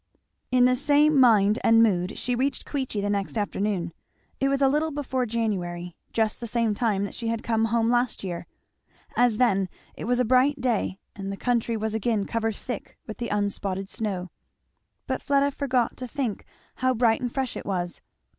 In the same mind and mood she reached Queechy the next afternoon. It was a little before January just the same time that she had come home last year. As then, it was a bright day, and the country was again covered thick with the unspotted snow; but Fleda forgot to think how bright and fresh it was.